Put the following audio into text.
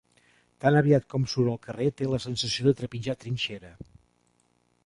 Tan aviat com surt al carrer té la sensació de trepitjar trinxera.